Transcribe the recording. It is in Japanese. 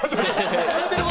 言うてる事。